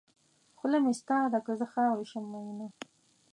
خوله مې ستا ده که زه خاورې شم مینه.